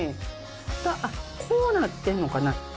あっ、こうなってんのかな？